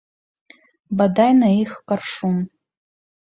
Бадай на іх каршун!